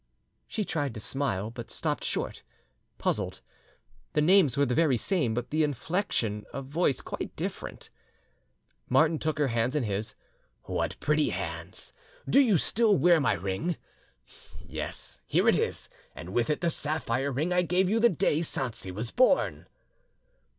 She tried to smile, but stopped short, puzzled; the names were the very same, but the inflexion of voice quite different. Martin took her hands in his. "What pretty hands! Do you still wear my ring? Yes, here it is, and with it the sapphire ring I gave you the day Sanxi was born."